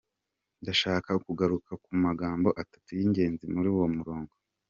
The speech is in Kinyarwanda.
Ndashaka kugaruka ku magambo atatu y'ingenzi muri uwo murongo:.